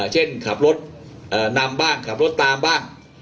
เช่นขับรถนำบ้างขับรถตามบ้าง